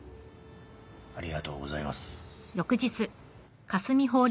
ありがとうございます。